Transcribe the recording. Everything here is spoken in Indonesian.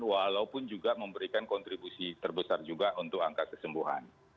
walaupun juga memberikan kontribusi terbesar juga untuk angka kesembuhan